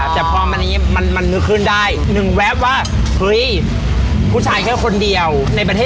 ท้องทองมาอยู่โกลัทไนท์